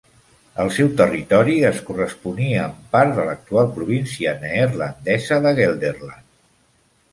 El seu territori es corresponia amb part de l'actual província neerlandesa de Gelderland.